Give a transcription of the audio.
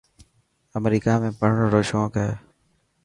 امريڪا ۾ پڙهڻ رو شونيڪ هي.